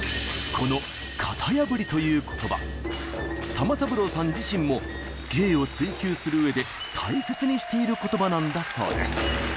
玉三郎さん自身も芸を追求する上で大切にしている言葉なんだそうです。